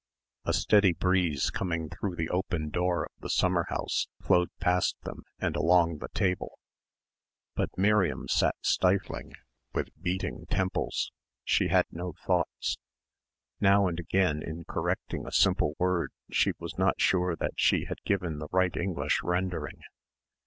A steady breeze coming through the open door of the summer house flowed past them and along the table, but Miriam sat stifling, with beating temples. She had no thoughts. Now and again in correcting a simple word she was not sure that she had given the right English rendering.